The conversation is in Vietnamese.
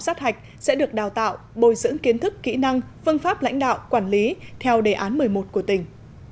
sát hạch sẽ được đào tạo bồi dưỡng kiến thức kỹ năng phương pháp lãnh đạo quản lý theo đề án một mươi một của tỉnh